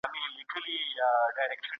د احمد شاه ابدالي د واکمنۍ مهمې جګړې کومي وي؟